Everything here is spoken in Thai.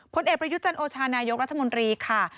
พลเอกประยุจรรย์โอชานายกราชมนตรีค่ะ